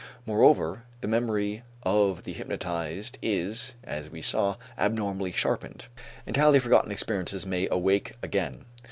Moreover the memory of the hypnotized is, as we saw, abnormally sharpened. Entirely forgotten experiences may awake again.